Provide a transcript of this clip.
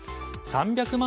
３００万